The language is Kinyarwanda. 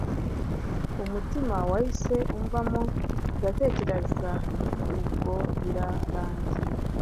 umutima wahise umvamo ndatekereza nti ubwo birarangiye